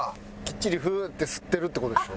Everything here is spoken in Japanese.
きっちりフゥーって吸ってるって事でしょ？